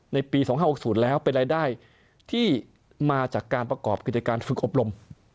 ในปี๒๕๖๐แล้วเป็นรายได้ที่มาจากการประกอบกิจการฝึกอบรม